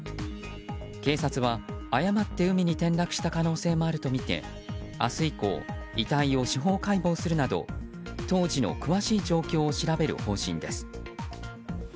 警察は、誤って海に転落した可能性もあるとみて明日以降遺体を司法解剖するなど当時の詳しい状況を調べる方針です。